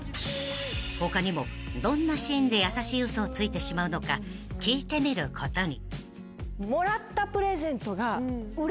［他にもどんなシーンで優しい嘘をついてしまうのか聞いてみることに］